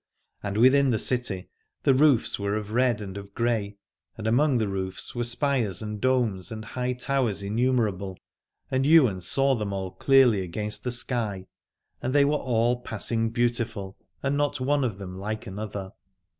And within the city the roofs were of red and of grey, and among the roofs were spires 153 Aladore and domes and high towers innumerable : and Ywain saw them clearly against the sky, and they were all passing beautiful, and not one of them like another.